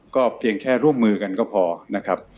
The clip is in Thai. ก็เพียงแค่ร่วมมือกันก็พอนะครับ